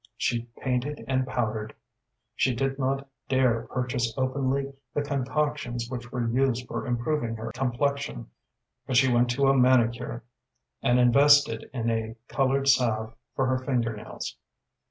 She painted and powdered. She did not dare purchase openly the concoctions which were used for improving her complexion, but she went to a manicure and invested in a colored salve for her finger nails.